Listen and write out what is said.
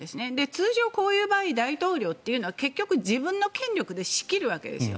通常、こういう場合大統領というのは結局、自分の権力で仕切るわけです。